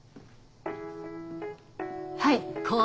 はい。